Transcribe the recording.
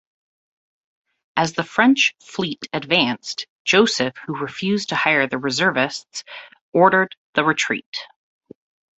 As the French fleet advanced, Joseph, who refused to hire the reservists, ordered the retreat.